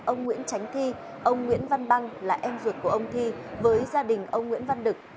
ông nguyễn tránh thi ông nguyễn văn băng là em ruột của ông thi với gia đình ông nguyễn văn đực